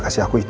tu kasih rakyat